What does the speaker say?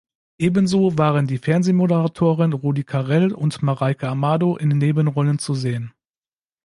Ebenso waren die Fernsehmoderatoren Rudi Carrell und Marijke Amado in Nebenrollen zu sehen.